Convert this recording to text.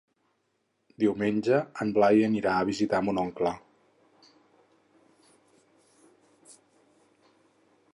Diumenge en Blai anirà a visitar mon oncle.